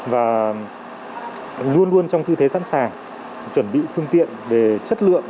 và luôn luôn trong tư thế sẵn sàng chuẩn bị phương tiện về chất lượng